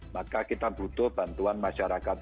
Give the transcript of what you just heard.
maka kita butuh bantuan masyarakat